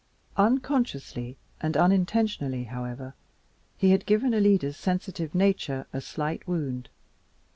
Unconsciously and unintentionally, however, he had given Alida's sensitive nature a slight wound.